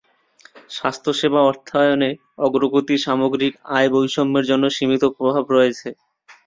স্বাস্থ্যসেবা অর্থায়ন অগ্রগতি সামগ্রিক আয় বৈষম্যের জন্য সীমিত প্রভাব রয়েছে।